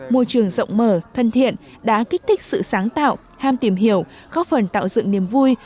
môi trường rộng mở thân thiện đã kích thích sự sáng tạo ham tìm hiểu góp phần tạo dựng niềm vui